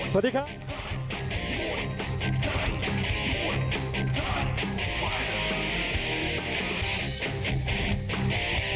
สวัสดีครับ